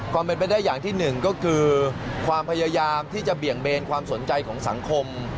เป็นไปได้อย่างที่หนึ่งก็คือความพยายามที่จะเบี่ยงเบนความสนใจของสังคม